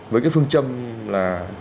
với cái phương châm là